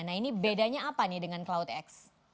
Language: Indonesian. nah ini bedanya apa nih dengan cloudx